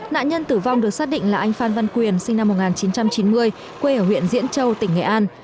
nạn nhân tử vong được xác định là anh phan văn quyền sinh năm một nghìn chín trăm chín mươi quê ở huyện diễn châu tỉnh nghệ an